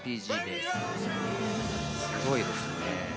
すごいですね。